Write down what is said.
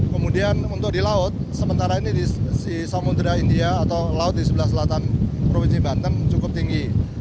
kemudian untuk di laut sementara ini di samudera india atau laut di sebelah selatan provinsi banten cukup tinggi